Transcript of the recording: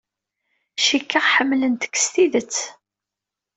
Cikkeɣ ḥemmlent-k s tidet.